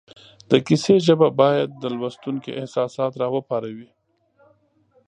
د کیسې ژبه باید د لوستونکي احساسات را وپاروي